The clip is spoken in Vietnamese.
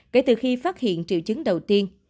kể từ khi phát hiện triệu chứng đầu tiên